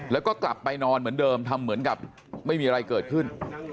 แล้วก็กลับไปนอนเหมือนเดิมทำเหมือนกับไม่มีอะไรเกิดขึ้น